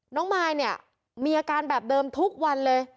มายเนี่ยมีอาการแบบเดิมทุกวันเลย